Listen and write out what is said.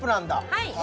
はい